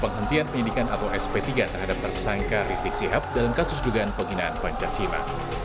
penghentian penyidikan atau sp tiga terhadap tersangka rizik sihab dalam kasus dugaan penghinaan pancasila